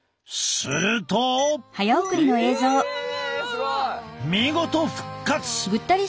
すごい！見事復活。